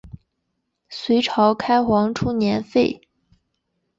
隋朝开皇初年废。